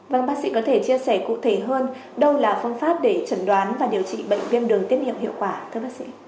vâng bác sĩ có thể chia sẻ cụ thể hơn đâu là phương pháp để chẩn đoán và điều trị bệnh viêm đường tiết nhiệm hiệu quả thưa bác sĩ